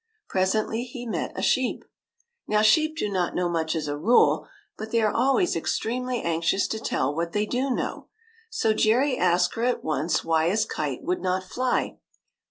Presently he met a sheep. Now, sheep do not know much as a rule, but they are always extremely anx ious to tell what they do know. So Jerry asked her at once why his kite would not fly.